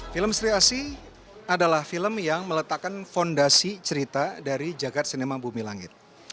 film sri asi adalah film yang meletakkan fondasi cerita dari jagad cinema bumi langit